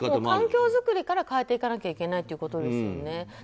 環境作りから変えていかないといけないということですよね。